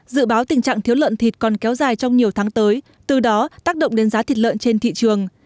dự báo tình trạng thiếu lợn thịt còn kéo dài trong nhiều tháng tới từ đó tác động đến giá thịt lợn trên thị trường